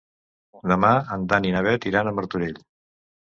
Demà en Dan i na Bet iran a Martorell.